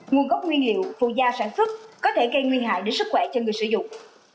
nguồn gốc nguyên liệu phụ gia sản xuất có thể gây nguy hại đến sức khỏe cho người sử dụng